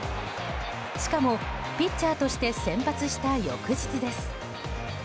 しかも、ピッチャーとして先発した翌日です。